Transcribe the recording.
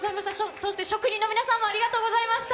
そして職人のありがとうございました。